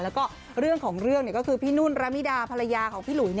แล้วก็เรื่องของเรื่องพี่นุนละมีดาพลายาของพี่หลุย